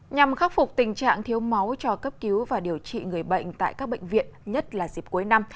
nhằm khắc phục tình trạng thiếu máu cho cấp cứu và điều trị người bệnh tại các bệnh viện nhất là dịp cuối năm